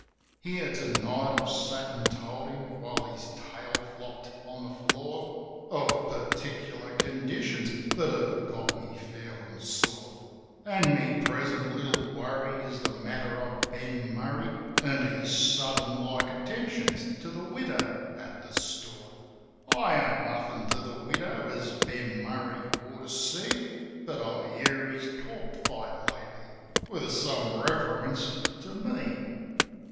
Here, to night, I've sat an' told him — while his tail flopped on the floor — Of particular conditions that have got me feelin' sore. An' my present little worry is the matter of Ben Murray An' his sudden like attentions to the widow at the store. I ain't nothin' to the widow, as Ben Murray ought to see; But I hear he's talked fight lately, with some reference to me.